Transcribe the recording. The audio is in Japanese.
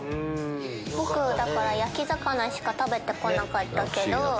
僕焼き魚しか食べてこなかったけど。